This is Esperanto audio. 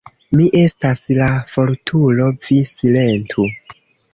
"Mi estas la fortulo, vi silentu.